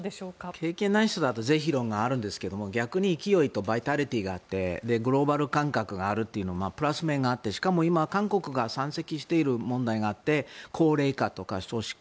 経験がない人だと是非論があるんですが逆に勢いとバイタリティーがあってグローバル感覚があるというプラス面があってしかも今、韓国に山積している問題があって高齢化とか少子化